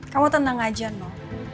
kamu tenang aja no